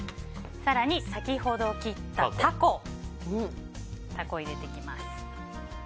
更に先ほど切ったタコを入れていきます。